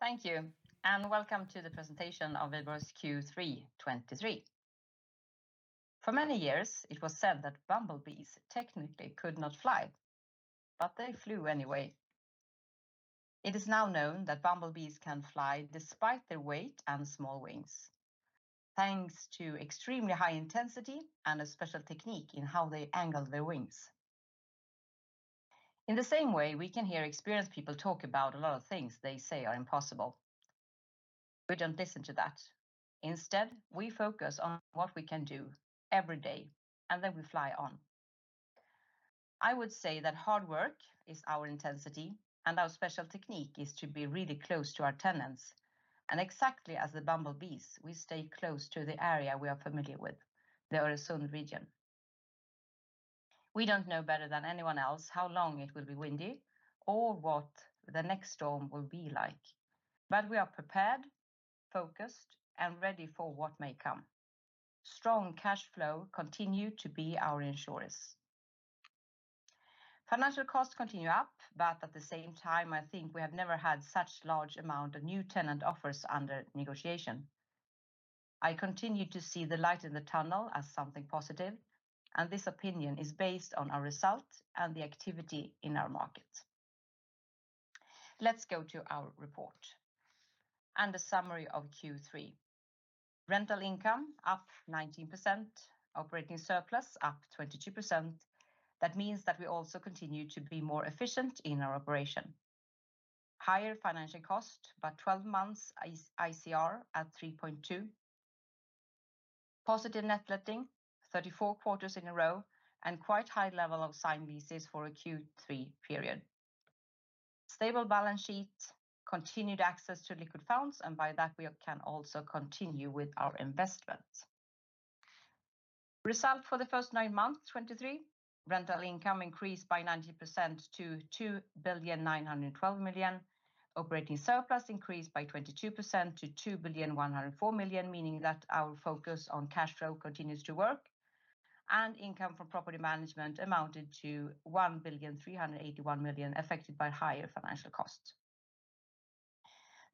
Thank you, and welcome to the presentation of Wihlborgs Q3 2023. For many years, it was said that bumblebees technically could not fly, but they flew anyway. It is now known that bumblebees can fly despite their weight and small wings, thanks to extremely high intensity and a special technique in how they angle their wings. In the same way, we can hear experienced people talk about a lot of things they say are impossible. We don't listen to that. Instead, we focus on what we can do every day, and then we fly on. I would say that hard work is our intensity, and our special technique is to be really close to our tenants. And exactly as the bumblebees, we stay close to the area we are familiar with, the Öresund region. We don't know better than anyone else how long it will be windy or what the next storm will be like, but we are prepared, focused, and ready for what may come. Strong cash flow continue to be our insurers. Financial costs continue up, but at the same time, I think we have never had such large amount of new tenant offers under negotiation. I continue to see the light in the tunnel as something positive, and this opinion is based on our results and the activity in our market. Let's go to our report and the summary of Q3. Rental income, up 19%. Operating surplus, up 22%. That means that we also continue to be more efficient in our operation. Higher financial cost, but 12-month ICR at 3.2. Positive net letting, 34 quarters in a row, and quite high level of signed leases for a Q3 period. Stable balance sheet, continued access to liquid funds, and by that, we can also continue with our investments. Result for the first nine months, 2023, rental income increased by 90% to 2.912 billion. Operating surplus increased by 22% to 2.104 billion, meaning that our focus on cash flow continues to work, and income from property management amounted to 1.381 billion, affected by higher financial costs.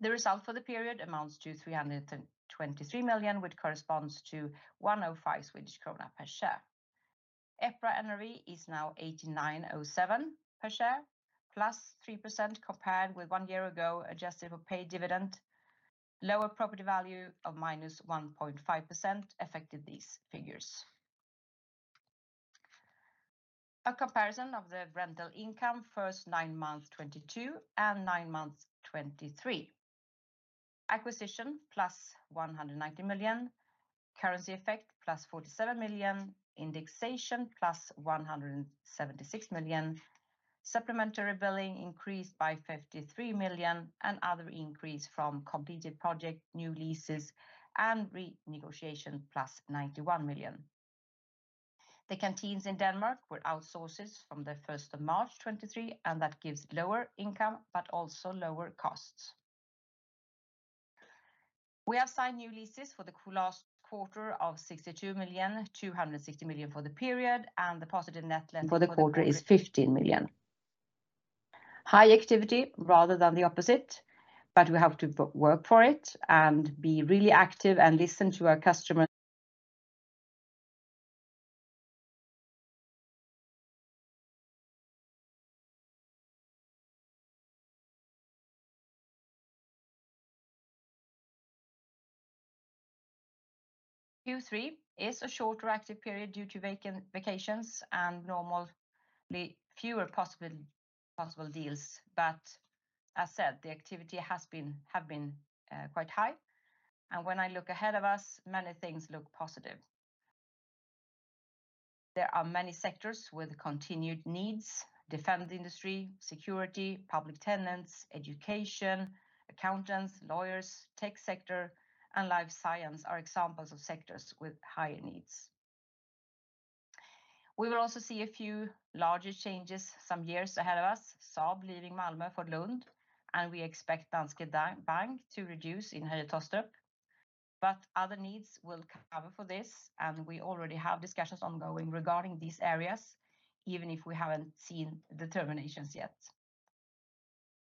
The result for the period amounts to 323 million, which corresponds to 1.05 Swedish krona per share. EPRA NAV is now 89.07 per share, +3% compared with one year ago, adjusted for paid dividend. Lower property value of -1.5% affected these figures. A comparison of the rental income, first nine months 2022, and nine months 2023. Acquisition, +190 million. Currency effect, +47 million. Indexation, +176 million. Supplementary billing increased by 53 million, and other increase from completed project, new leases, and renegotiation, +91 million. The canteens in Denmark were outsourced from the first of March 2023, and that gives lower income, but also lower costs. We have signed new leases for the last quarter of 62 million, 260 million for the period, and the positive net for the quarter is 15 million. High activity rather than the opposite, but we have to work for it and be really active and listen to our customer. Q3 is a shorter active period due to vacations and normally fewer possible deals. But as said, the activity has been quite high, and when I look ahead of us, many things look positive. There are many sectors with continued needs: defense industry, security, public tenants, education, accountants, lawyers, tech sector, and life science are examples of sectors with high needs. We will also see a few larger changes some years ahead of us, Saab leaving Malmö for Lund, and we expect Danske Bank to reduce in Høje-Taastrup. But other needs will cover for this, and we already have discussions ongoing regarding these areas, even if we haven't seen the terminations yet.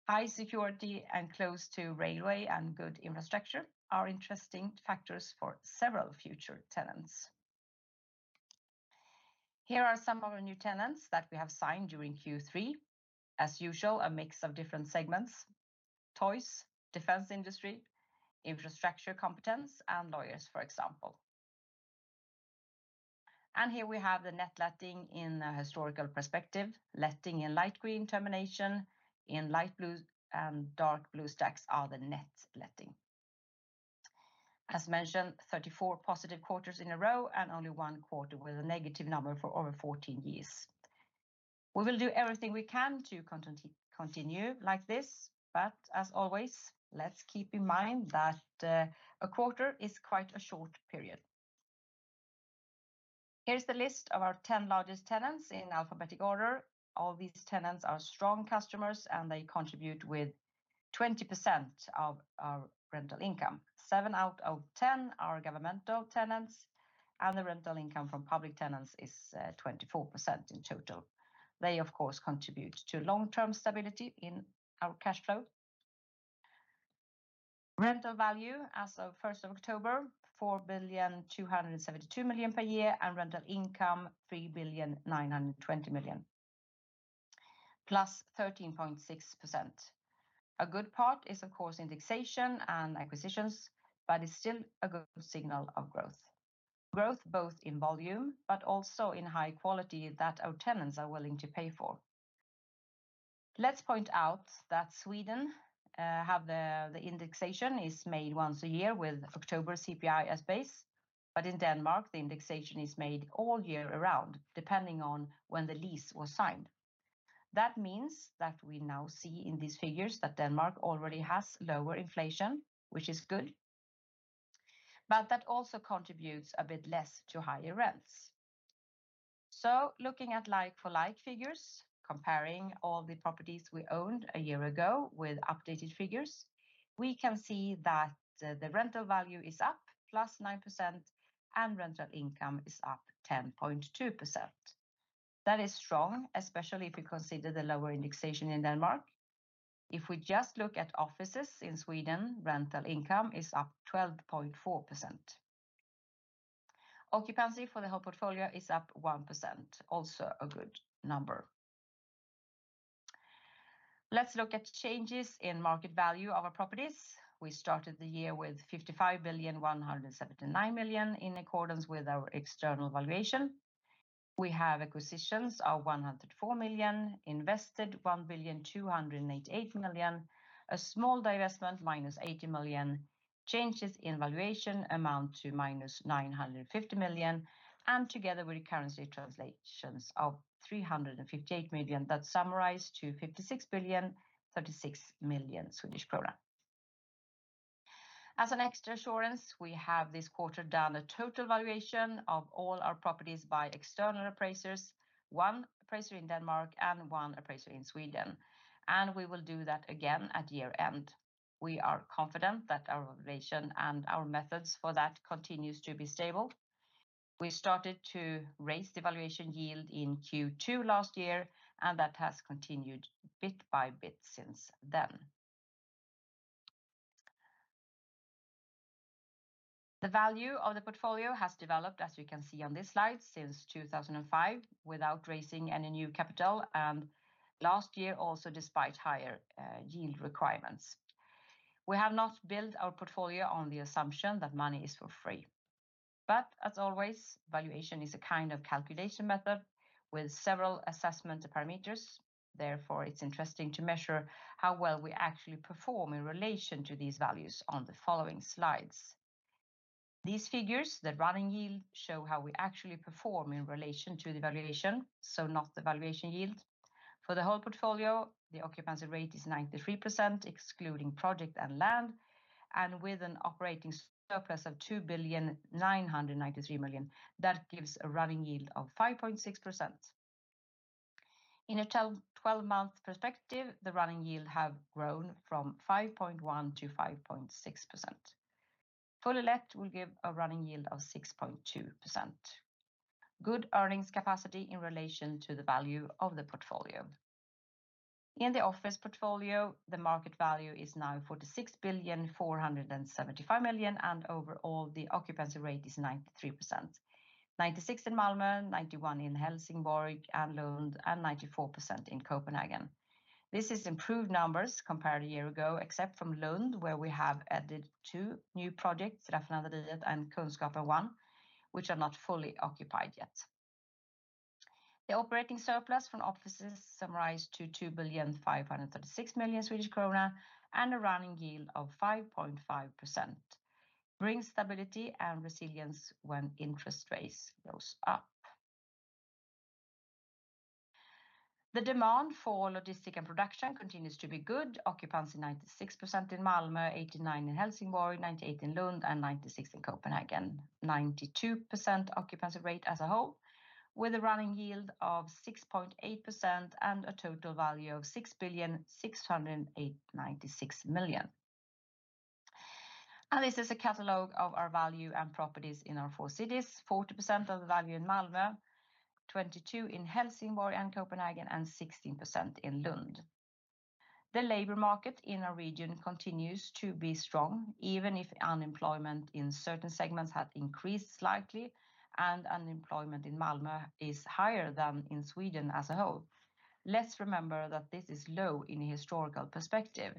High security and close to railway and good infrastructure are interesting factors for several future tenants. Here are some of our new tenants that we have signed during Q3. As usual, a mix of different segments: toys, defense industry, infrastructure competence, and lawyers, for example. Here we have the net letting in a historical perspective. Letting in light green, termination in light blue, and dark blue stacks are the net letting. As mentioned, 34 positive quarters in a row and only one quarter with a negative number for over 14 years. We will do everything we can to continue like this, but as always, let's keep in mind that, a quarter is quite a short period. Here's the list of our 10 largest tenants in alphabetic order. All these tenants are strong customers, and they contribute with 20% of our rental income. Seven out of 10 are governmental tenants, and the rental income from public tenants is, 24% in total. They, of course, contribute to long-term stability in our cash flow... Rental value as of 1st of October, 4.272 billion per year, and rental income, 3.92 billion, plus 13.6%. A good part is, of course, indexation and acquisitions, but it's still a good signal of growth. Growth both in volume, but also in high quality that our tenants are willing to pay for. Let's point out that Sweden has the indexation is made once a year with October CPI as base. In Denmark, the indexation is made all year round, depending on when the lease was signed. That means that we now see in these figures that Denmark already has lower inflation, which is good, but that also contributes a bit less to higher rents. Looking at like-for-like figures, comparing all the properties we owned a year ago with updated figures, we can see that the rental value is up +9%, and rental income is up 10.2%. That is strong, especially if you consider the lower indexation in Denmark. If we just look at offices in Sweden, rental income is up 12.4%. Occupancy for the whole portfolio is up 1%, also a good number. Let's look at changes in market value of our properties. We started the year with 55 billion, 179 million in accordance with our external valuation. We have acquisitions of 104 million, invested 1,288 million, a small divestment, minus 80 million, changes in valuation amount to minus 950 million, and together with the currency translations of 358 million, that summarize to 56,036 million Swedish krona. As an extra assurance, we have this quarter done a total valuation of all our properties by external appraisers, one appraiser in Denmark and one appraiser in Sweden, and we will do that again at year-end. We are confident that our valuation and our methods for that continues to be stable. We started to raise the valuation yield in Q2 last year, and that has continued bit by bit since then. The value of the portfolio has developed, as you can see on this slide, since 2005, without raising any new capital, and last year, also despite higher yield requirements. We have not built our portfolio on the assumption that money is for free. But as always, valuation is a kind of calculation method with several assessment parameters. Therefore, it's interesting to measure how well we actually perform in relation to these values on the following slides. These figures, the running yield, show how we actually perform in relation to the valuation, so not the valuation yield. For the whole portfolio, the occupancy rate is 93%, excluding project and land, and with an operating surplus of 2,993 million, that gives a running yield of 5.6%. In a 12-month perspective, the running yield has grown from 5.1% to 5.6%. Fully let will give a running yield of 6.2%. Good earnings capacity in relation to the value of the portfolio. In the office portfolio, the market value is now 46.475 billion, and overall, the occupancy rate is 93%. 96% in Malmö, 91% in Helsingborg and Lund, and 94% in Copenhagen. This is improved numbers compared to a year ago, except from Lund, where we have added two new projects, Raffinaderiet and Kunskapen 1, which are not fully occupied yet. The operating surplus from offices summarized to 2.536 billion Swedish krona, and a running yield of 5.5%, brings stability and resilience when interest rates goes up. The demand for logistic and production continues to be good. Occupancy, 96% in Malmö, 89% in Helsingborg, 98% in Lund, and 96% in Copenhagen. 92% occupancy rate as a whole, with a running yield of 6.8% and a total value of 6,696 million. This is a catalog of our value and properties in our four cities. 40% of the value in Malmö, 22% in Helsingborg and Copenhagen, and 16% in Lund. The labor market in our region continues to be strong, even if unemployment in certain segments had increased slightly, and unemployment in Malmö is higher than in Sweden as a whole. Let's remember that this is low in a historical perspective.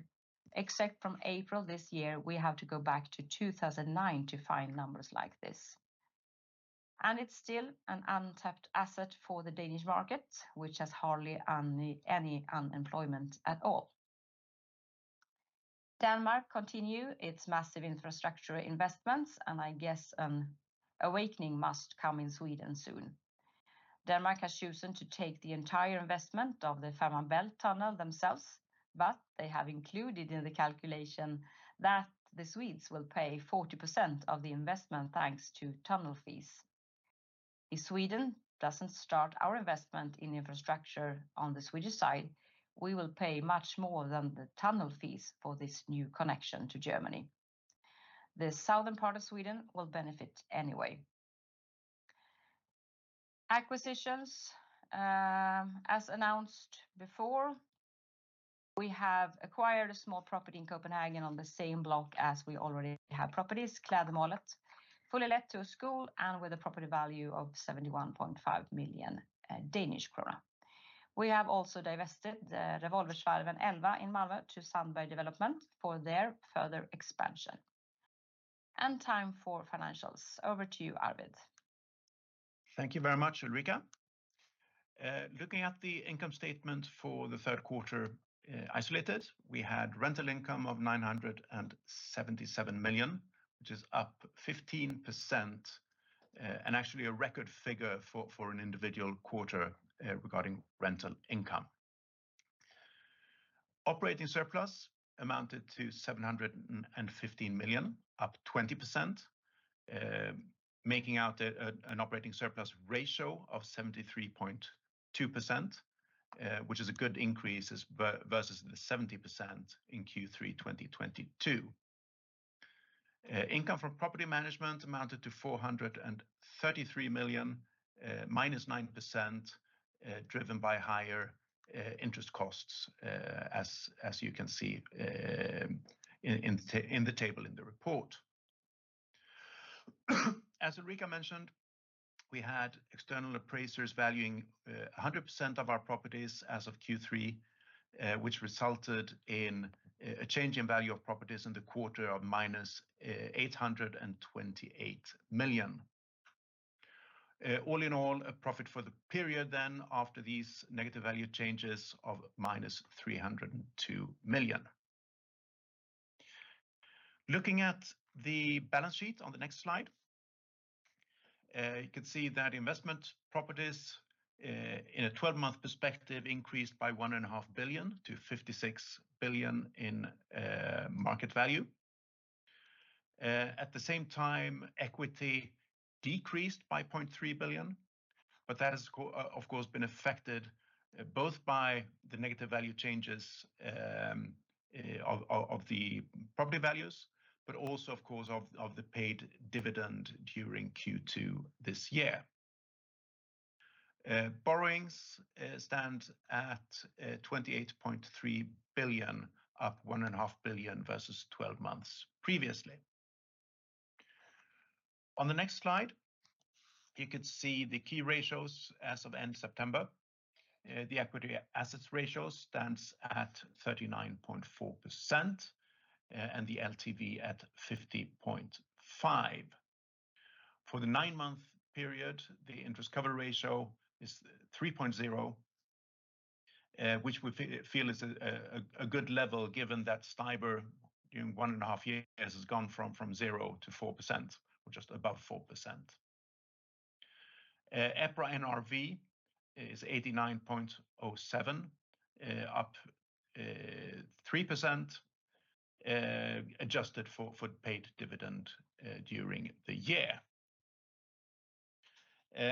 Except from April this year, we have to go back to 2009 to find numbers like this. It's still an untapped asset for the Danish market, which has hardly any unemployment at all. Denmark continue its massive infrastructure investments, and I guess an awakening must come in Sweden soon. Denmark has chosen to take the entire investment of the Fehmarnbelt Tunnel themselves, but they have included in the calculation that the Swedes will pay 40% of the investment, thanks to tunnel fees. If Sweden doesn't start our investment in infrastructure on the Swedish side, we will pay much more than the tunnel fees for this new connection to Germany. The southern part of Sweden will benefit anyway.... Acquisitions. As announced before, we have acquired a small property in Copenhagen on the same block as we already have properties, Klædemålet, fully let to a school, and with a property value of 71.5 million Danish kroner. We have also divested the Revolversvarven 11 in Malmö to Sandberg Development for their further expansion. Time for financials. Over to you, Arvid. Thank you very much, Ulrika. Looking at the income statement for the third quarter, isolated, we had rental income of 977 million, which is up 15%, and actually a record figure for an individual quarter, regarding rental income. Operating surplus amounted to 715 million, up 20%, making out an operating surplus ratio of 73.2%, which is a good increase versus the 70% in Q3 2022. Income from property management amounted to 433 million, minus 9%, driven by higher interest costs, as you can see, in the table in the report. As Ulrika mentioned, we had external appraisers valuing 100% of our properties as of Q3, which resulted in a change in value of properties in the quarter of -828 million. All in all, a profit for the period then, after these negative value changes, of -302 million. Looking at the balance sheet on the next slide, you can see that investment properties, in a twelve-month perspective, increased by 1.5 billion to 56 billion in market value. At the same time, equity decreased by 0.3 billion, but that has of course been affected both by the negative value changes of the property values, but also, of course, of the paid dividend during Q2 this year. Borrowings stand at 28.3 billion, up 1.5 billion versus 12 months previously. On the next slide, you can see the key ratios as of end September. The equity assets ratio stands at 39.4%, and the LTV at 50.5. For the 9-month period, the interest cover ratio is 3.0, which we feel is a good level, given that STIBOR, in 1.5 years, has gone from zero to 4%, or just above 4%. EPRA NRV is 89.07, up 3%, adjusted for the paid dividend during the year.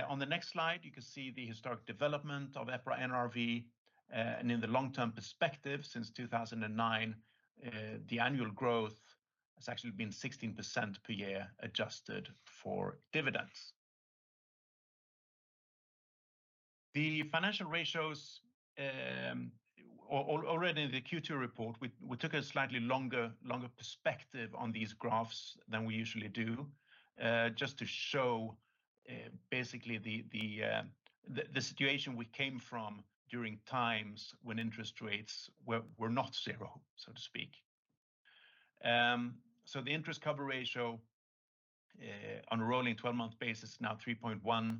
On the next slide, you can see the historic development of EPRA NRV. And in the long-term perspective, since 2009, the annual growth has actually been 16% per year, adjusted for dividends. The financial ratios, already in the Q2 report, we took a slightly longer perspective on these graphs than we usually do, just to show, basically the situation we came from during times when interest rates were not zero, so to speak. So the interest cover ratio, on a rolling twelve-month basis, is now 3.1,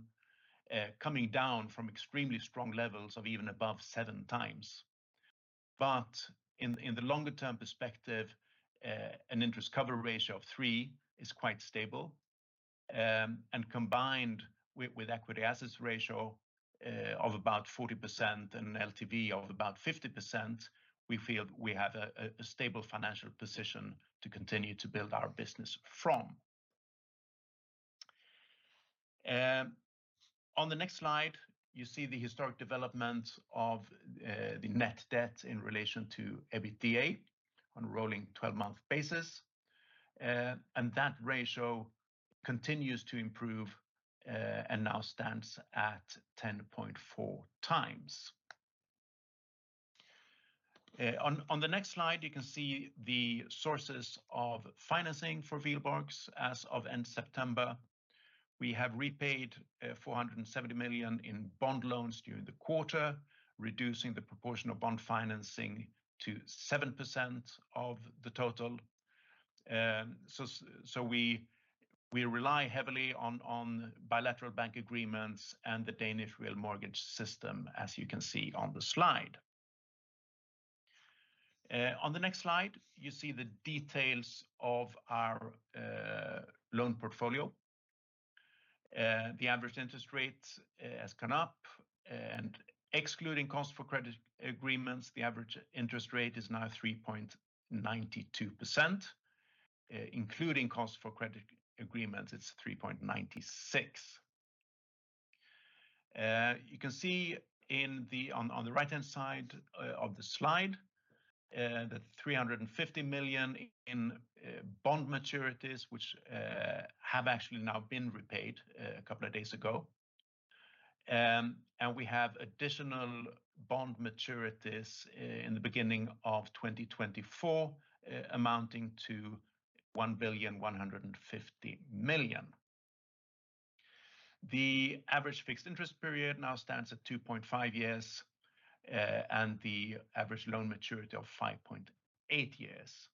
coming down from extremely strong levels of even above 7 times. But in the longer-term perspective, an interest cover ratio of 3 is quite stable. And combined with equity assets ratio of about 40% and LTV of about 50%, we feel we have a stable financial position to continue to build our business from. On the next slide, you see the historic development of the net debt in relation to EBITDA on a rolling twelve-month basis. And that ratio continues to improve and now stands at 10.4 times. On the next slide, you can see the sources of financing for Wihlborgs as of end September. We have repaid 470 million in bond loans during the quarter, reducing the proportion of bond financing to 7% of the total. So we rely heavily on bilateral bank agreements and the Danish real mortgage system, as you can see on the slide. On the next slide, you see the details of our loan portfolio. The average interest rate has gone up, and excluding cost for credit agreements, the average interest rate is now 3.92%. Including cost for credit agreement, it's 3.96%. You can see on the right-hand side of the slide the 350 million in bond maturities, which have actually now been repaid a couple of days ago. And we have additional bond maturities in the beginning of 2024 amounting to 1.15 billion. The average fixed interest period now stands at 2.5 years, and the average loan maturity of 5.8 years.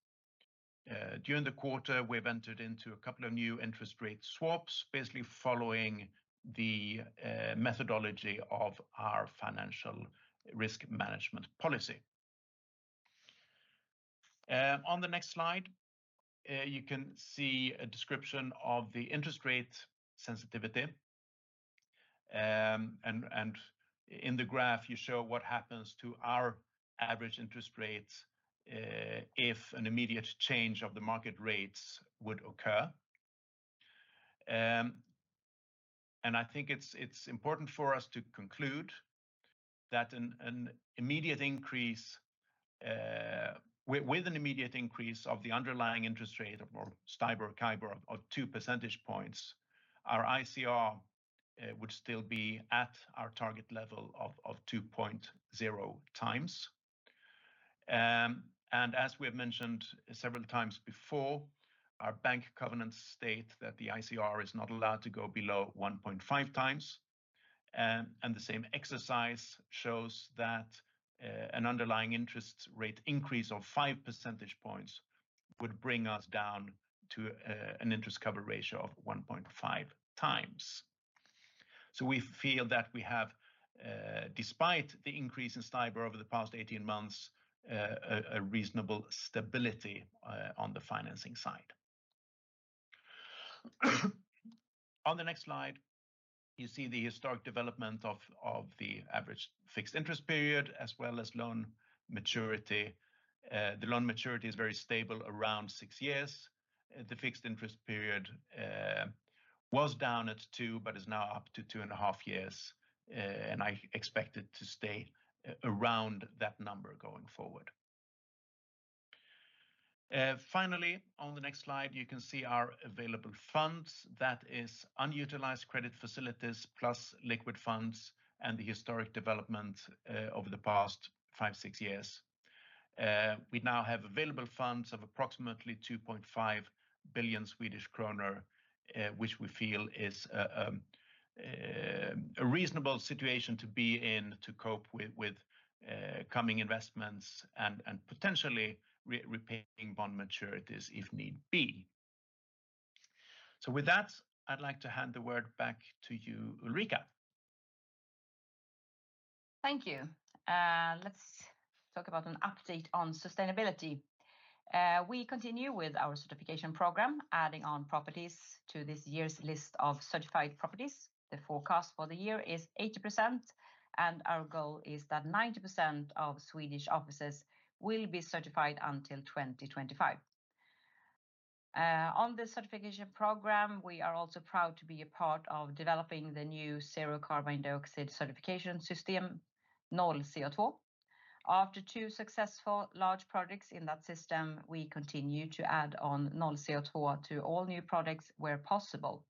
During the quarter, we've entered into a couple of new interest rate swaps, basically following the methodology of our financial risk management policy. On the next slide, you can see a description of the interest rate sensitivity. In the graph, you show what happens to our average interest rates, if an immediate change of the market rates would occur. I think it's important for us to conclude that an immediate increase with an immediate increase of the underlying interest rate or STIBOR, CIBOR of two percentage points, our ICR would still be at our target level of 2.0 times. As we have mentioned several times before, our bank covenants state that the ICR is not allowed to go below 1.5 times. And the same exercise shows that an underlying interest rate increase of 5 percentage points would bring us down to an interest cover ratio of 1.5 times. So we feel that we have, despite the increase in STIBOR over the past 18 months, a reasonable stability on the financing side. On the next slide, you see the historic development of the average fixed interest period, as well as loan maturity. The loan maturity is very stable, around 6 years. The fixed interest period was down at 2, but is now up to 2.5 years, and I expect it to stay around that number going forward. Finally, on the next slide, you can see our available funds. That is unutilized credit facilities, plus liquid funds and the historic development over the past five, six years. We now have available funds of approximately 2.5 billion Swedish kronor, which we feel is a reasonable situation to be in to cope with coming investments and potentially repaying bond maturities if need be. So with that, I'd like to hand the word back to you, Ulrika. Thank you. Let's talk about an update on sustainability. We continue with our certification program, adding on properties to this year's list of certified properties. The forecast for the year is 80%, and our goal is that 90% of Swedish offices will be certified until 2025. On the certification program, we are also proud to be a part of developing the new zero CO2 certification system, NollCO2. After two successful large projects in that system, we continue to add on NollCO2 to all new products where possible.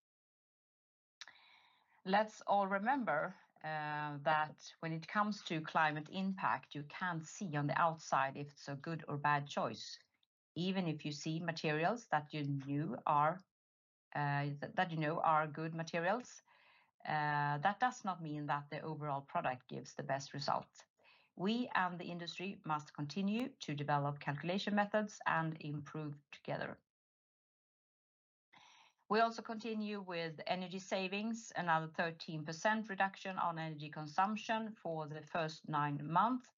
Let's all remember, that when it comes to climate impact, you can't see on the outside if it's a good or bad choice. Even if you see materials that you know are good materials, that does not mean that the overall product gives the best result. We and the industry must continue to develop calculation methods and improve together. We also continue with energy savings, another 13% reduction on energy consumption for the first nine months.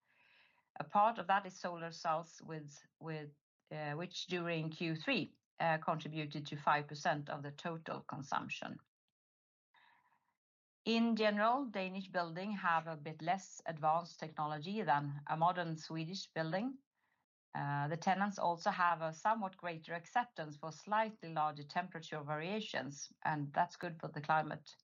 A part of that is solar cells with which during Q3 contributed to 5% of the total consumption. In general, Danish building have a bit less advanced technology than a modern Swedish building. The tenants also have a somewhat greater acceptance for slightly larger temperature variations, and that's good for the climate.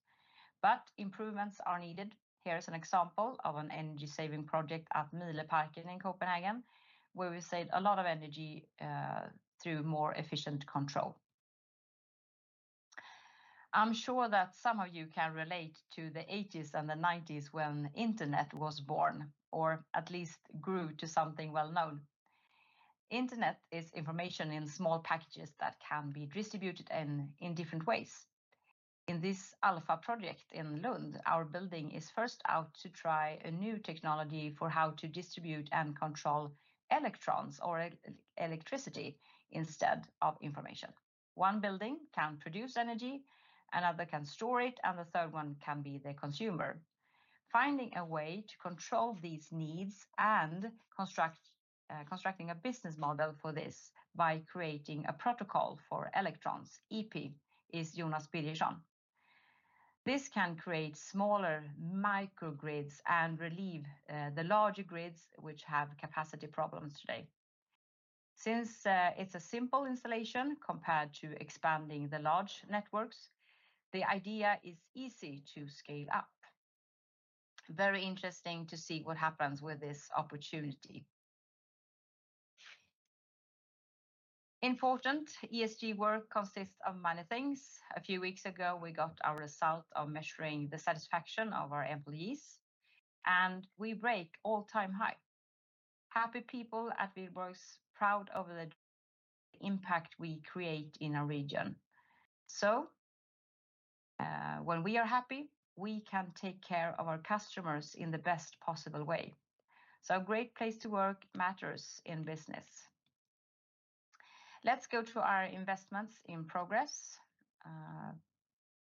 But improvements are needed. Here is an example of an energy-saving project at Mileparken in Copenhagen, where we saved a lot of energy through more efficient control. I'm sure that some of you can relate to the '80s and the '90s, when internet was born, or at least grew to something well-known. Internet is information in small packages that can be distributed in different ways. In this Alfa project in Lund, our building is first out to try a new technology for how to distribute and control electrons or electricity instead of information. One building can produce energy, another can store it, and the third one can be the consumer. Finding a way to control these needs and construct, constructing a business model for this by creating a protocol for electrons, EP, is Jonas Birgersson. This can create smaller microgrids and relieve the larger grids, which have capacity problems today. Since it's a simple installation compared to expanding the large networks, the idea is easy to scale up.... Very interesting to see what happens with this opportunity. Important ESG work consists of many things. A few weeks ago, we got our result of measuring the satisfaction of our employees, and we break all-time high. Happy people at Wihlborgs, proud of the impact we create in our region. So, when we are happy, we can take care of our customers in the best possible way. So a great place to work matters in business. Let's go to our investments in progress.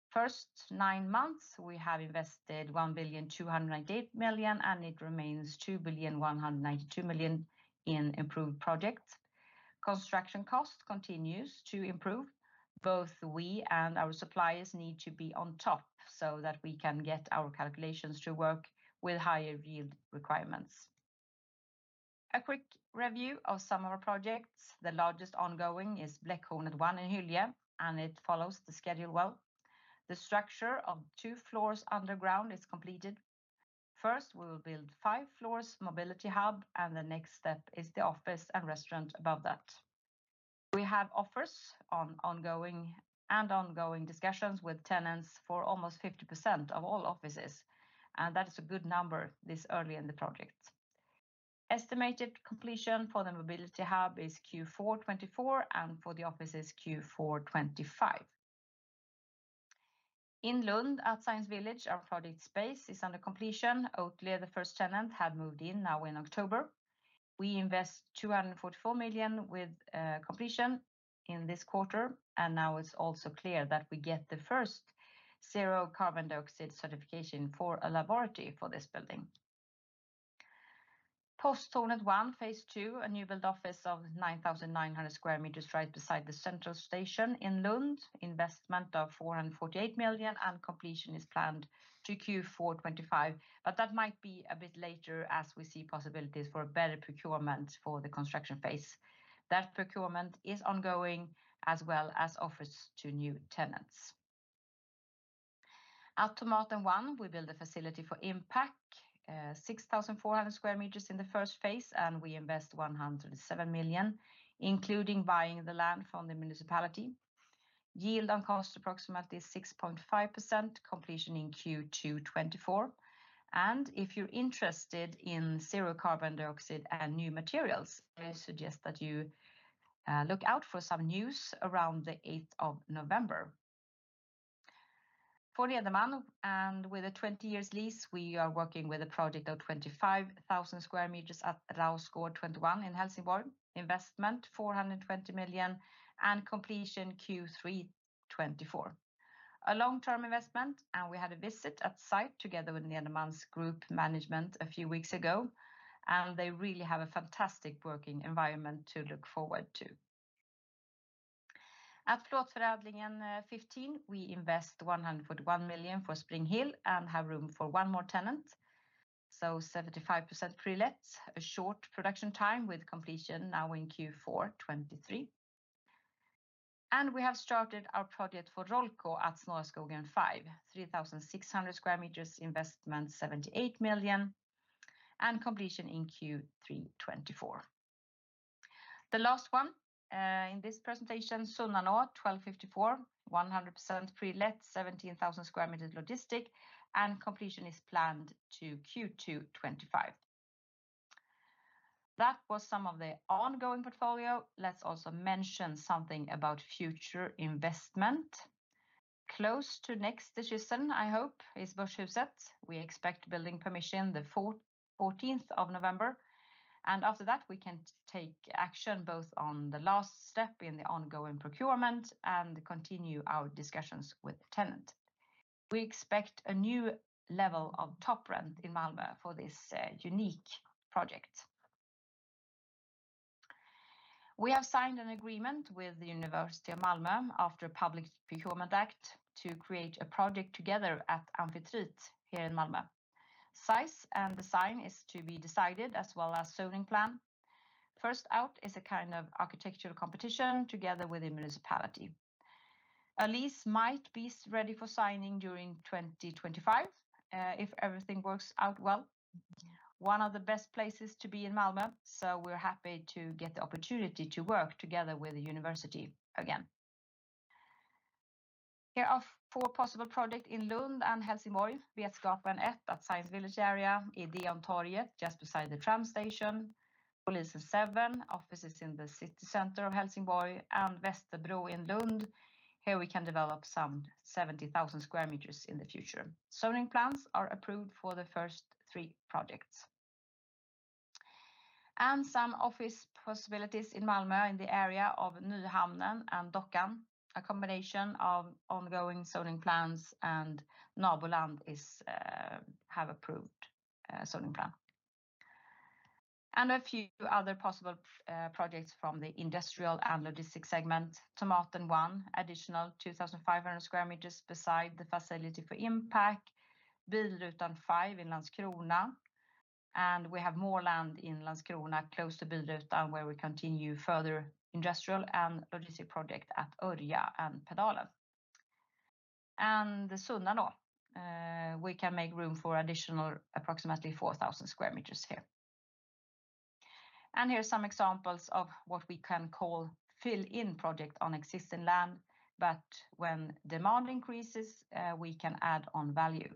First nine months, we have invested 1,208 million, and it remains 2,192 million in improved projects. Construction costs continues to improve. Both we and our suppliers need to be on top, so that we can get our calculations to work with higher yield requirements. A quick review of some of our projects. The largest ongoing is Bläckhornet 1 in Hyllie, and it follows the schedule well. The structure of two floors underground is completed. First, we will build five floors mobility hub, and the next step is the office and restaurant above that. We have offers and ongoing discussions with tenants for almost 50% of all offices, and that is a good number this early in the project. Estimated completion for the mobility hub is Q4 2024, and for the office is Q4 2025. In Lund at Science Village, our project space is under completion. Oatly, the first tenant, had moved in now in October. We invest 244 million with completion in this quarter, and now it's also clear that we get the first zero carbon dioxide certification for a laboratory for this building. Posthornet 1, phase two, a new build office of 9,900 square meters right beside the Central Station in Lund. Investment of 448 million, and completion is planned to Q4 2025, but that might be a bit later as we see possibilities for a better procurement for the construction phase. That procurement is ongoing, as well as offers to new tenants. At Tomaten 1, we build a facility for impact, 6,400 square meters in the first phase, and we invest 107 million, including buying the land from the municipality. Yield on cost approximately 6.5%, completion in Q2 2024. And if you're interested in zero carbon dioxide and new materials, I suggest that you, look out for some news around the eighth of November. For Nederman, and with a 20-year lease, we are working with a project of 25,000 square meters at Rausgård 21 in Helsingborg. Investment, 420 million, and completion Q3 2024. A long-term investment, and we had a visit at site together with Nederman's group management a few weeks ago, and they really have a fantastic working environment to look forward to. At Plåtförädlingen 15, we invest 141 million for Springhill and have room for one more tenant. So 75% pre-let, a short production time with completion now in Q4 2023. And we have started our project for Rollco at Snårskogen 5, 3,600 square meters, investment 78 million, and completion in Q3 2024. The last one in this presentation, Sunnanå 12:54, 100% pre-let, 17,000 square meters logistic, and completion is planned to Q2 2025. That was some of the ongoing portfolio. Let's also mention something about future investment. Close to next decision, I hope, is Börshuset. We expect building permission the fourth or fourteenth of November, and after that, we can take action, both on the last step in the ongoing procurement and continue our discussions with the tenant. We expect a new level of top rent in Malmö for this, unique project. We have signed an agreement with Malmö University after a public procurement act to create a project together at Amfitrite here in Malmö. Size and design is to be decided, as well as zoning plan. First out is a kind of architectural competition together with the municipality. A lease might be ready for signing during 2025, if everything works out well. One of the best places to be in Malmö, so we're happy to get the opportunity to work together with the university again. Here are four possible projects in Lund and Helsingborg. Vetskapen 1 at Science Village area, in Ideontorget, just beside the tram station, Polisen 7, offices in the city center of Helsingborg, and Västerbro in Lund. Here we can develop some 70,000 square meters in the future. Zoning plans are approved for the first three projects. Some office possibilities in Malmö, in the area of Nyhamnen and Dockan, a combination of ongoing zoning plans and Naboland is, have approved, zoning plan. A few other possible, projects from the industrial and logistic segment. Tomaten 1, additional 2,500 square meters beside the facility for impact. Bilrutan 5 in Landskrona. We have more land in Landskrona, close to Bilrutan, where we continue further industrial and logistic project at Örja and Pedalen. Sunnanå then, we can make room for additional approximately 4,000 square meters here. Here are some examples of what we can call fill-in project on existing land, but when demand increases, we can add on value.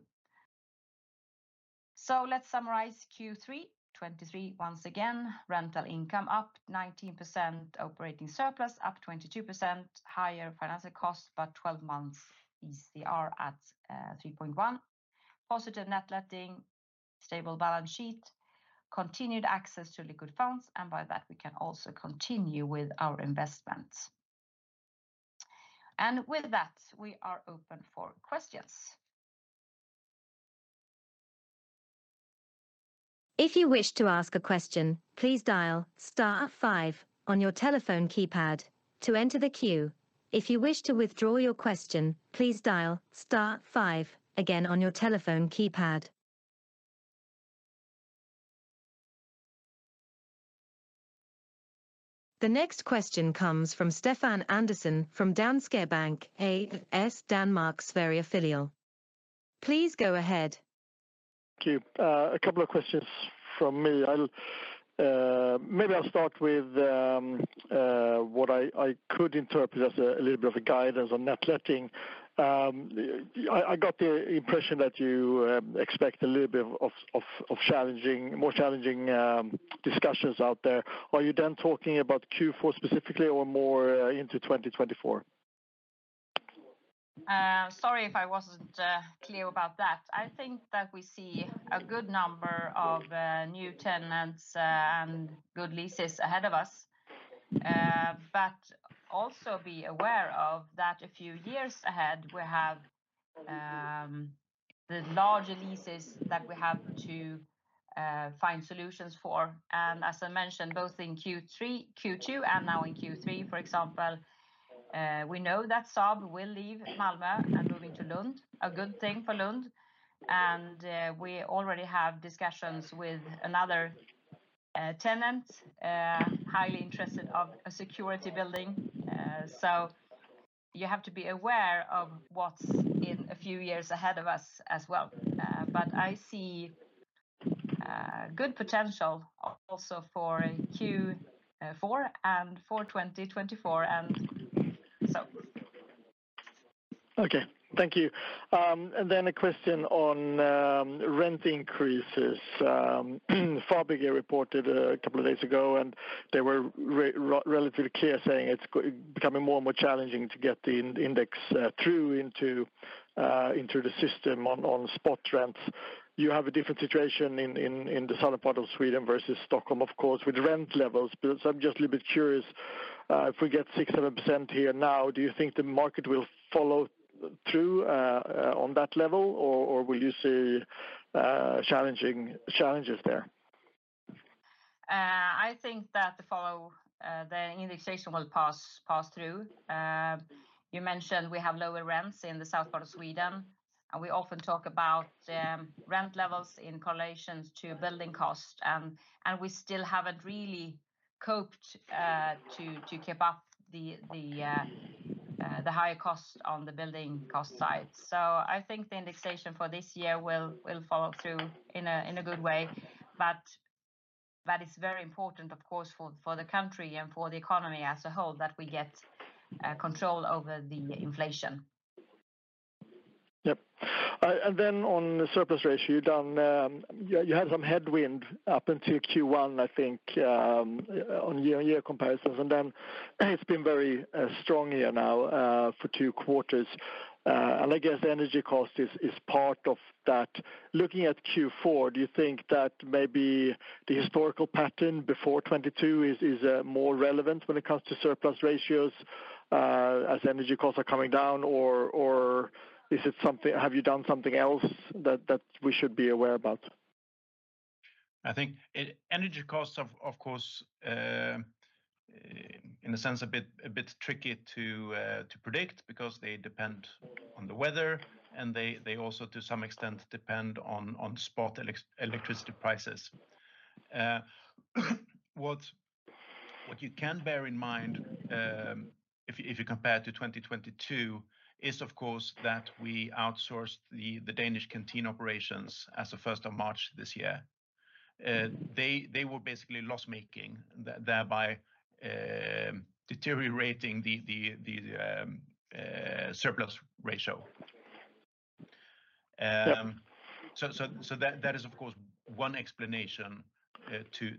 So let's summarize Q3 2023. Once again, rental income up 19%, operating surplus up 22%, higher financial costs, but 12 months ICR at 3.1. Positive net letting, stable balance sheet, continued access to liquid funds, and by that, we can also continue with our investments. And with that, we are open for questions. If you wish to ask a question, please dial star five on your telephone keypad to enter the queue. If you wish to withdraw your question, please dial star five again on your telephone keypad. The next question comes from Stefan Andersson from Danske Bank A/S, Danmark, Sverige Filial. Please go ahead. Thank you. A couple of questions from me. I'll maybe start with what I could interpret as a little bit of a guidance on net letting. I got the impression that you expect a little bit of challenging, more challenging discussions out there. Are you then talking about Q4 specifically, or more into 2024? Sorry if I wasn't clear about that. I think that we see a good number of new tenants and good leases ahead of us. But also be aware of that a few years ahead, we have the larger leases that we have to find solutions for. And as I mentioned, both in Q3, Q2, and now in Q3, for example, we know that Saab will leave Malmö and moving to Lund, a good thing for Lund. And we already have discussions with another tenant highly interested of a security building. So you have to be aware of what's in a few years ahead of us as well. But I see good potential also for Q4, and for 2024, and so. Okay, thank you. And then a question on rent increases. Fabege reported a couple of days ago, and they were relatively clear, saying it's becoming more and more challenging to get the index through into the system on spot rents. You have a different situation in the southern part of Sweden versus Stockholm, of course, with rent levels. But so I'm just a little bit curious, if we get 6%-7% here now, do you think the market will follow through on that level, or will you see challenges there? I think that the indexation will pass through. You mentioned we have lower rents in the south part of Sweden, and we often talk about rent levels in correlation to building cost, and we still haven't really coped to keep up the higher cost on the building cost side. So I think the indexation for this year will follow through in a good way, but that is very important, of course, for the country and for the economy as a whole, that we get control over the inflation. Yep. And then on the surplus ratio, you've done... You had some headwind up until Q1, I think, on year-on-year comparisons, and then it's been very strong here now for two quarters. And I guess energy cost is part of that. Looking at Q4, do you think that maybe the historical pattern before 2022 is more relevant when it comes to surplus ratios as energy costs are coming down? Or is it something? Have you done something else that we should be aware about? I think energy costs, of course, in a sense, a bit tricky to predict because they depend on the weather, and they also, to some extent, depend on spot electricity prices. What you can bear in mind, if you compare to 2022, is, of course, that we outsourced the Danish canteen operations as of first of March this year. They were basically loss-making, thereby deteriorating the surplus ratio. Yep So that is, of course, one explanation to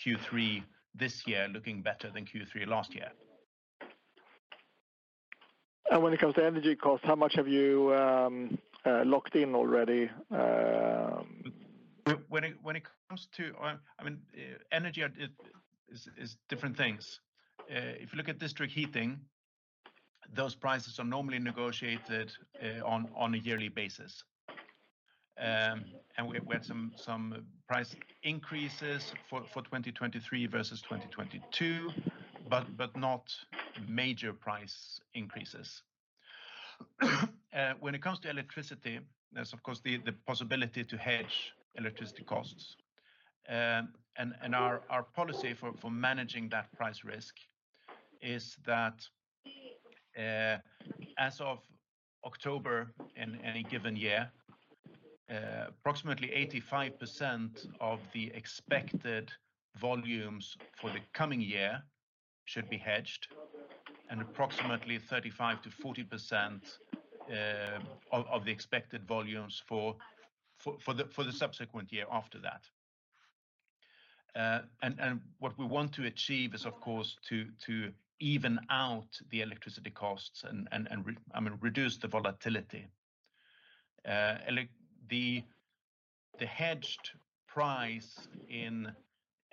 Q3 this year looking better than Q3 last year. When it comes to energy cost, how much have you locked in already? When it comes to... Well, I mean, energy is different things. If you look at district heating, those prices are normally negotiated on a yearly basis. And we had some price increases for 2023 versus 2022, but not major price increases. When it comes to electricity, there's, of course, the possibility to hedge electricity costs. And our policy for managing that price risk is that, as of October in any given year, approximately 85% of the expected volumes for the coming year should be hedged, and approximately 35%-40% of the expected volumes for the subsequent year after that. And what we want to achieve is, of course, to even out the electricity costs and re-- I mean, reduce the volatility. The hedged price in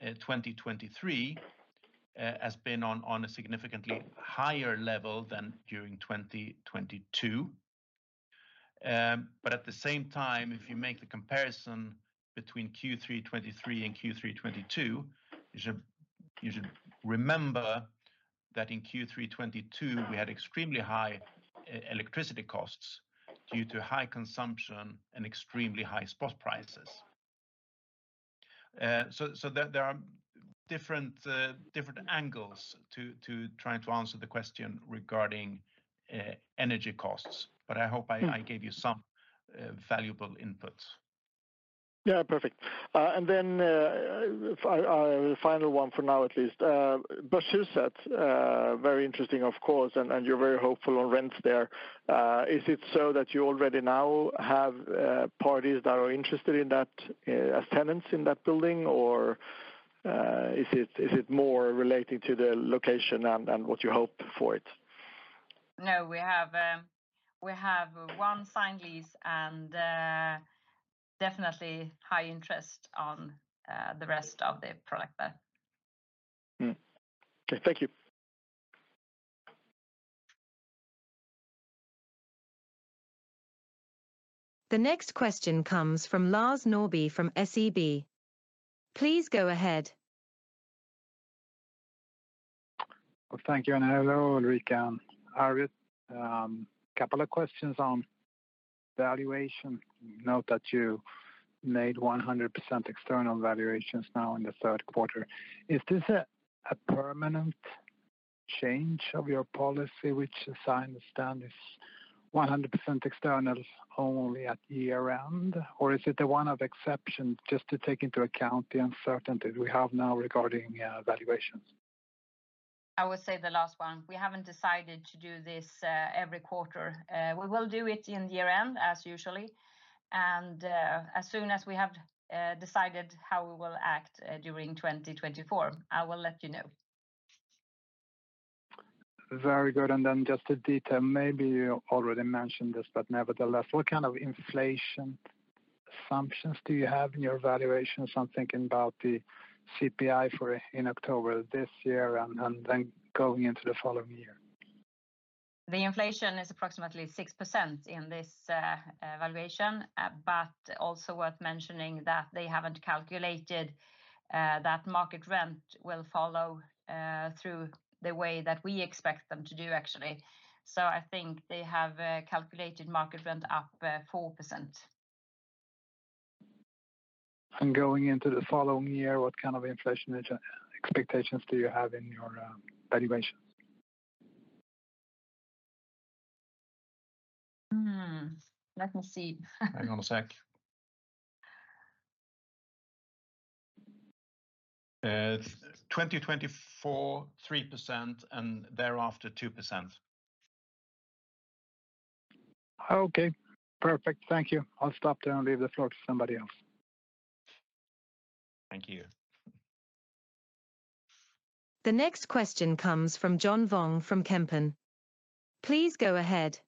2023 has been on a significantly higher level than during 2022. But at the same time, if you make the comparison between Q3 2023 and Q3 2022, you should remember that in Q3 2022, we had extremely high electricity costs due to high consumption and extremely high spot prices. So there are different angles to trying to answer the question regarding energy costs, but I hope I- Mm... I gave you some valuable inputs. Yeah, perfect. And then the final one for now, at least. Börshuset, very interesting, of course, and you're very hopeful on rents there. Is it so that you already now have parties that are interested in that as tenants in that building, or is it more relating to the location and what you hope for it? No, we have one signed lease and definitely high interest on the rest of the product there. Mm-hmm. Okay, thank you. The next question comes from Lars Norrby from SEB. Please go ahead. Well, thank you, and hello, Ulrika and Arvid. A couple of questions on valuation. Note that you made 100% external valuations now in the third quarter. Is this a permanent change of your policy, which as I understand, is 100% external only at year-end, or is it a one-off exception just to take into account the uncertainty we have now regarding valuations? I would say the last one. We haven't decided to do this every quarter. We will do it in the year-end, as usual, as soon as we have decided how we will act during 2024, I will let you know. Very good, and then just a detail, maybe you already mentioned this, but nevertheless, what kind of inflation assumptions do you have in your valuations? I'm thinking about the CPI for... In October this year and, and then going into the following year. The inflation is approximately 6% in this valuation, but also worth mentioning that they haven't calculated that market rent will follow through the way that we expect them to do, actually. So I think they have calculated market rent up 4%. Going into the following year, what kind of inflation expectations do you have in your valuations? Hmm, let me see. Hang on a sec. 2024, 3%, and thereafter, 2%. Okay, perfect. Thank you. I'll stop there and leave the floor to somebody else. Thank you. The next question comes from John Vuong from Kempen. Please go ahead.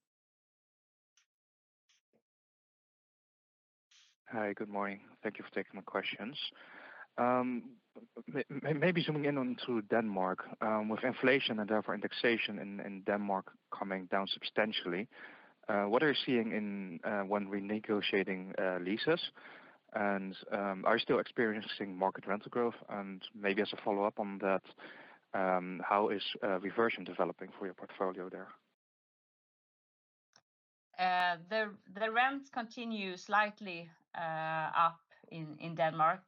Hi, good morning. Thank you for taking my questions. Maybe zooming in on to Denmark, with inflation and therefore indexation in Denmark coming down substantially, what are you seeing in... when renegotiating leases, and are you still experiencing market rental growth? And maybe as a follow-up on that, how is reversion developing for your portfolio there? The rents continue slightly up in Denmark,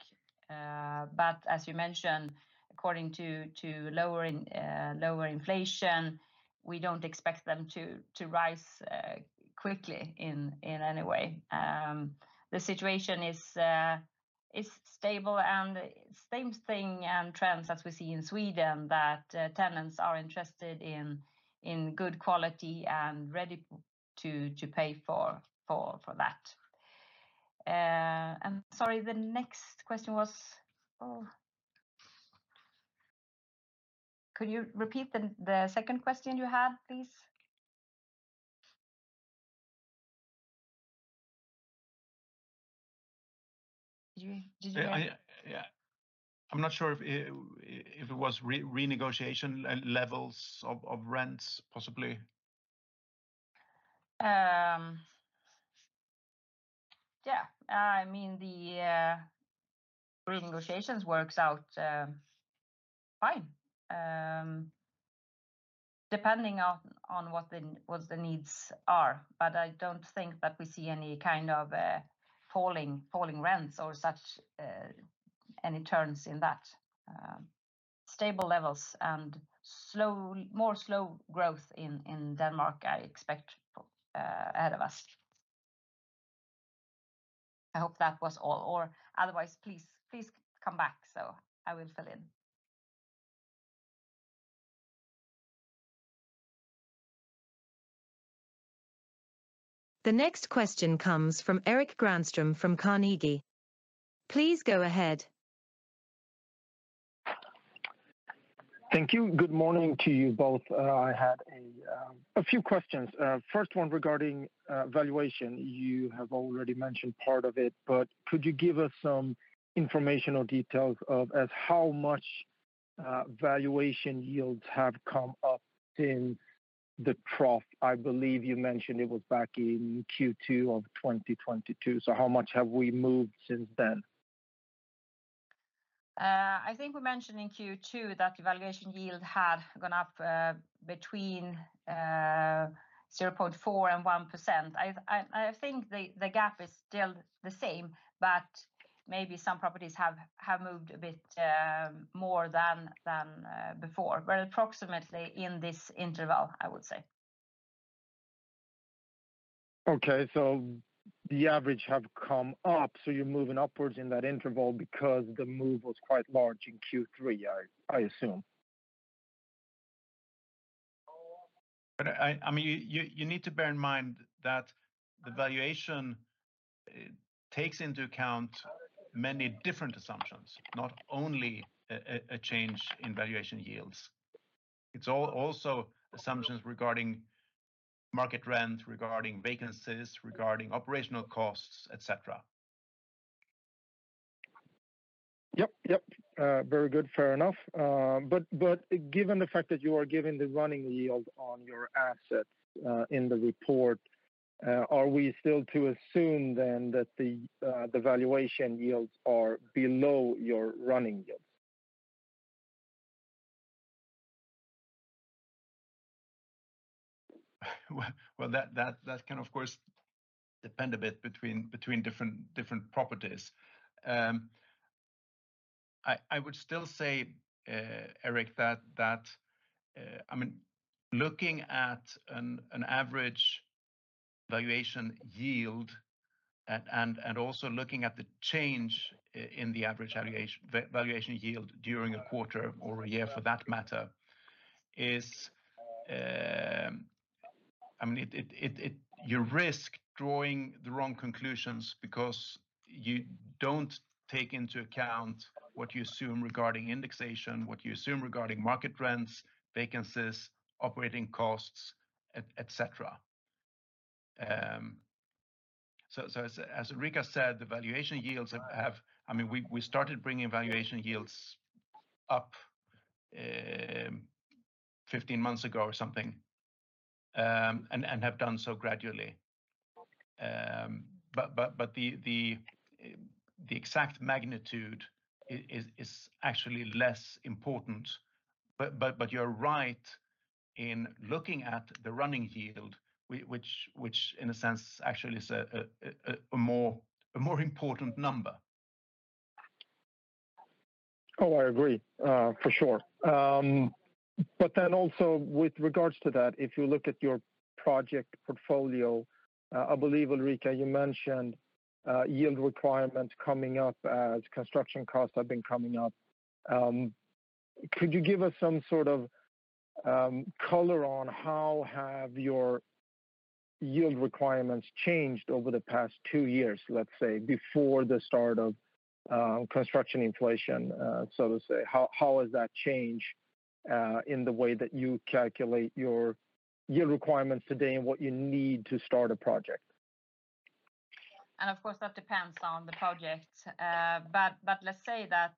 but as you mentioned, according to lower inflation, we don't expect them to rise quickly in any way. The situation is stable, and same thing and trends as we see in Sweden, that tenants are interested in good quality and ready to pay for that. Sorry, the next question was? Oh, could you repeat the second question you had, please? Did you, did you- Yeah, yeah. I'm not sure if it, if it was renegotiation levels of, of rents, possibly. ... in the renegotiations works out fine. Depending on what the needs are, but I don't think that we see any kind of falling rents or such any turns in that. Stable levels and more slow growth in Denmark, I expect ahead of us. I hope that was all, or otherwise, please come back so I will fill in. The next question comes from Erik Granström from Carnegie. Please go ahead. Thank you. Good morning to you both. I had a few questions. First one regarding valuation. You have already mentioned part of it, but could you give us some information or details of as how much valuation yields have come up in the trough? I believe you mentioned it was back in Q2 of 2022. So how much have we moved since then? I think we mentioned in Q2 that valuation yield had gone up between 0.4% and 1%. I think the gap is still the same, but maybe some properties have moved a bit more than before. But approximately in this interval, I would say. Okay. So the average have come up, so you're moving upwards in that interval because the move was quite large in Q3, I, I assume? But I mean, you need to bear in mind that the valuation takes into account many different assumptions, not only a change in valuation yields. It's also assumptions regarding market rent, regarding vacancies, regarding operational costs, et cetera. Yep, yep. Very good, fair enough. But given the fact that you are giving the running yield on your assets in the report, are we still to assume then that the valuation yields are below your running yield? Well, that can, of course, depend a bit between different properties. I would still say, Eric, that... I mean, looking at an average valuation yield and also looking at the change in the average valuation yield during a quarter or a year for that matter, is... I mean, it, you risk drawing the wrong conclusions because you don't take into account what you assume regarding indexation, what you assume regarding market rents, vacancies, operating costs, et cetera. So, as Ulrika said, the valuation yields have—I mean, we started bringing valuation yields up, 15 months ago or something, and have done so gradually. But, the exact magnitude is actually less important. But you're right in looking at the running yield, which in a sense, actually is a more important number. Oh, I agree, for sure. But then also with regards to that, if you look at your project portfolio, I believe, Ulrika, you mentioned yield requirements coming up as construction costs have been coming up. Could you give us some sort of color on how have your yield requirements changed over the past two years, let's say, before the start of construction inflation, so to say? How has that changed in the way that you calculate your yield requirements today and what you need to start a project? And of course, that depends on the project. But let's say that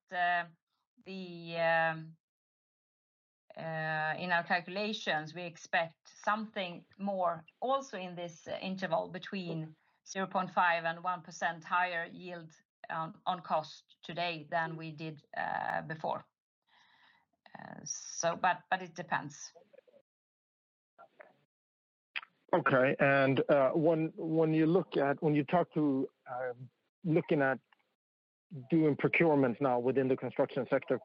in our calculations, we expect something more also in this interval between 0.5% and 1% higher yield on cost today than we did before. So but, it depends. Okay. When you look at doing procurement now within the construction sector,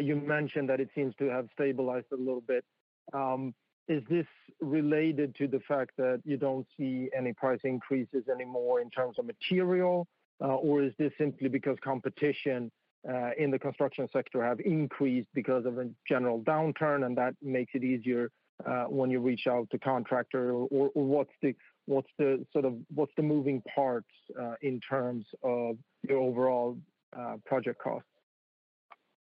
you mentioned that it seems to have stabilized a little bit. Is this related to the fact that you don't see any price increases anymore in terms of material? Or is this simply because competition in the construction sector have increased because of a general downturn, and that makes it easier when you reach out to contractor? Or what's the sort of moving parts in terms of your overall project costs?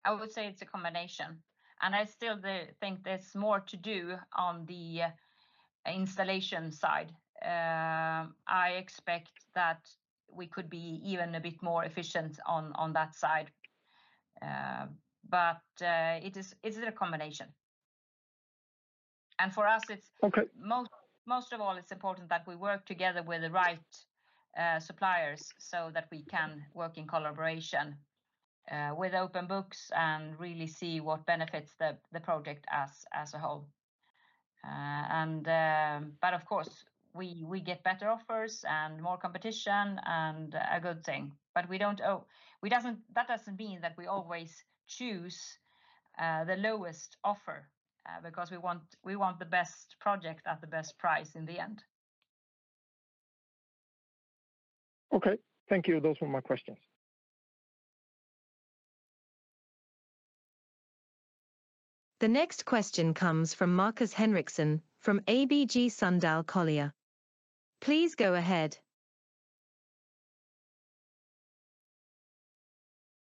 I would say it's a combination, and I still do think there's more to do on the installation side. I expect that we could be even a bit more efficient on, on that side. But, it is a combination... And for us, it's- Okay. Most of all, it's important that we work together with the right suppliers so that we can work in collaboration with open books and really see what benefits the project as a whole. But of course, we get better offers and more competition, and a good thing. But that doesn't mean that we always choose the lowest offer because we want the best project at the best price in the end. Okay, thank you. Those were my questions. The next question comes from Markus Henriksson, from ABG Sundal Collier. Please go ahead.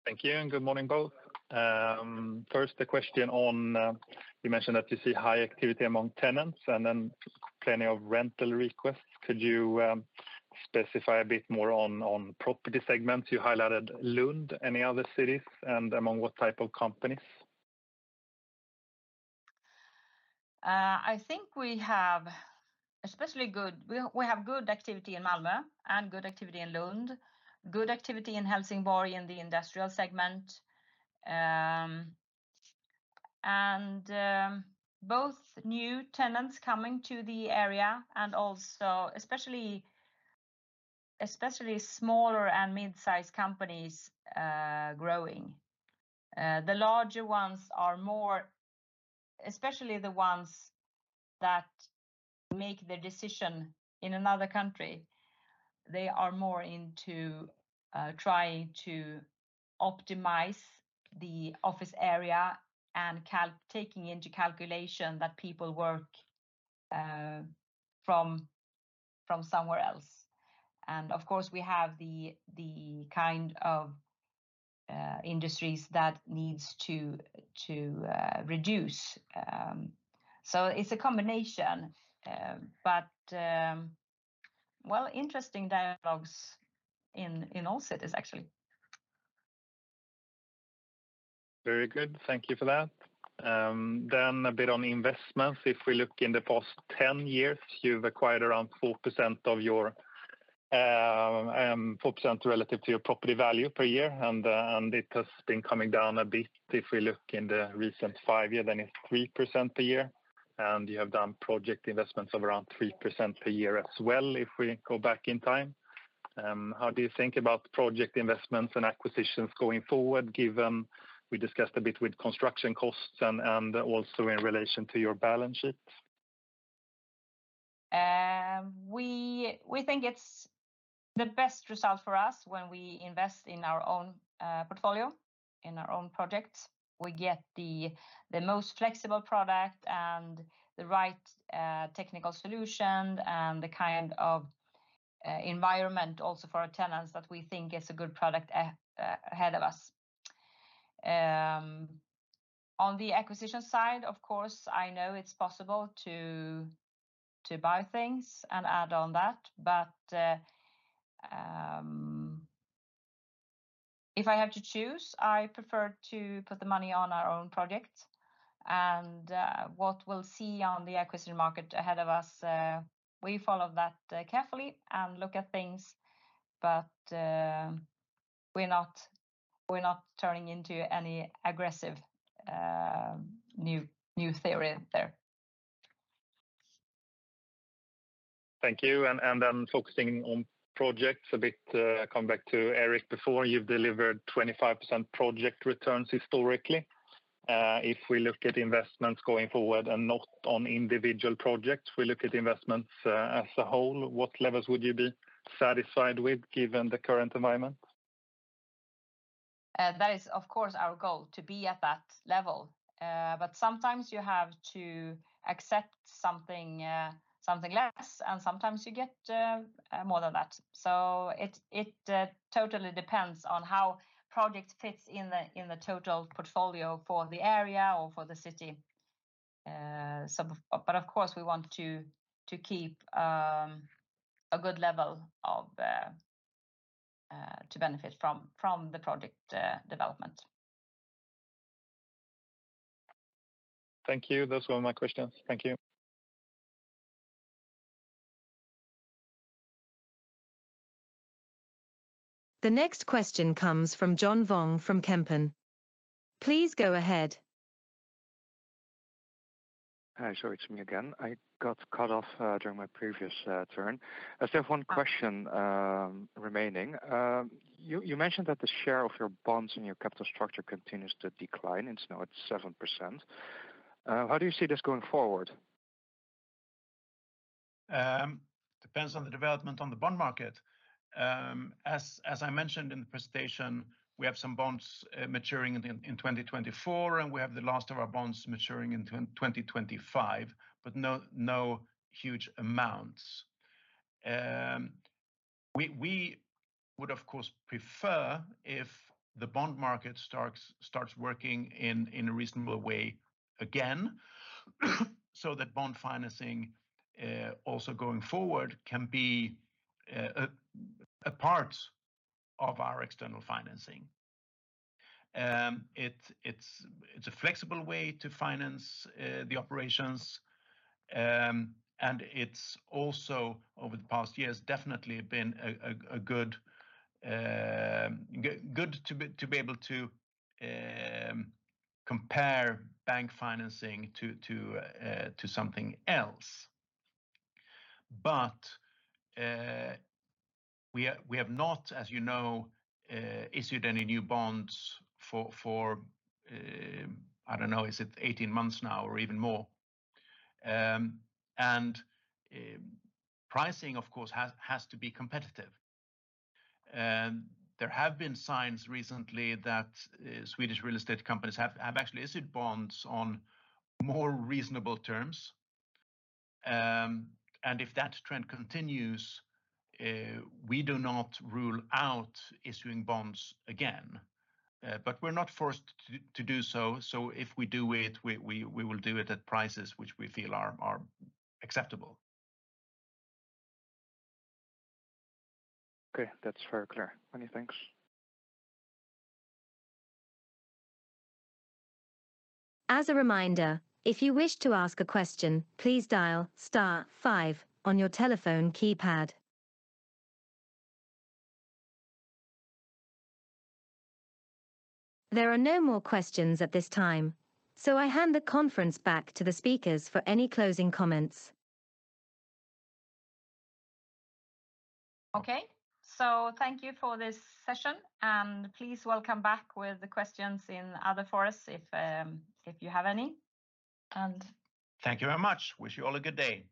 Thank you, and good morning, both. First, the question on, you mentioned that you see high activity among tenants, and then plenty of rental requests. Could you specify a bit more on, on property segments? You highlighted Lund, any other cities, and among what type of companies? I think we have especially good—we have good activity in Malmö and good activity in Lund, good activity in Helsingborg, in the industrial segment. And both new tenants coming to the area and also especially, especially smaller and mid-sized companies growing. The larger ones are more... Especially the ones that make the decision in another country, they are more into trying to optimize the office area and calc—taking into calculation that people work from somewhere else. And of course, we have the kind of industries that needs to reduce. So it's a combination, but well, interesting dialogues in all cities, actually. Very good. Thank you for that. Then a bit on investments. If we look in the past 10 years, you've acquired around 4% of your four percent relative to your property value per year, and, and it has been coming down a bit. If we look in the recent five year, then it's 3% per year, and you have done project investments of around 3% per year as well, if we go back in time. How do you think about project investments and acquisitions going forward, given we discussed a bit with construction costs and, and also in relation to your balance sheet? We think it's the best result for us when we invest in our own portfolio, in our own projects. We get the most flexible product and the right technical solution, and the kind of environment also for our tenants, that we think is a good product ahead of us. On the acquisition side, of course, I know it's possible to buy things and add on that, but if I have to choose, I prefer to put the money on our own projects. What we'll see on the acquisition market ahead of us, we follow that carefully and look at things, but we're not turning into any aggressive new theory there. Thank you, and then focusing on projects a bit, come back to Erik. Before, you've delivered 25% project returns historically. If we look at investments going forward and not on individual projects, we look at investments as a whole, what levels would you be satisfied with, given the current environment? That is, of course, our goal, to be at that level. But sometimes you have to accept something, something less, and sometimes you get more than that. So it totally depends on how project fits in the total portfolio for the area or for the city. But of course, we want to keep a good level of to benefit from the project development. Thank you. Those were my questions. Thank you. The next question comes from John Vuong from Kempen. Please go ahead. Hi, so it's me again. I got cut off during my previous turn. I still have one question remaining. You mentioned that the share of your bonds in your capital structure continues to decline, it's now at 7%. How do you see this going forward? Depends on the development on the bond market. As I mentioned in the presentation, we have some bonds maturing in 2024, and we have the last of our bonds maturing in 2025, but no huge amounts. We would, of course, prefer if the bond market starts working in a reasonable way again, so that bond financing also going forward can be a part of our external financing. It's a flexible way to finance the operations. And it's also, over the past years, definitely been a good to be able to compare bank financing to something else. But, we have, we have not, as you know, issued any new bonds for, for, I don't know, is it 18 months now or even more? And, pricing, of course, has, has to be competitive. There have been signs recently that, Swedish real estate companies have, have actually issued bonds on more reasonable terms. And if that trend continues, we do not rule out issuing bonds again. But we're not forced to, to do so, so if we do it, we, we, we will do it at prices which we feel are, are acceptable. Okay, that's very clear. Many thanks. As a reminder, if you wish to ask a question, please dial star five on your telephone keypad. There are no more questions at this time, so I hand the conference back to the speakers for any closing comments. Okay. So thank you for this session, and please welcome back with the questions in other forums if, if you have any, and- Thank you very much. Wish you all a good day!